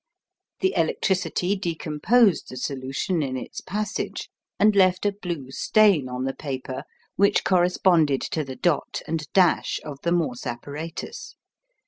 The electricity decomposed the solution in its passage and left a blue stain on the paper, which corresponded to the dot and dash of the Morse apparatus.